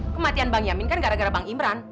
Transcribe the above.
kematian bang yamin kan gara gara bang imran